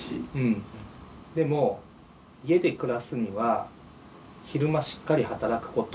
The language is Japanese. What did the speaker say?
でも家で暮らすには昼間しっかり働くこと。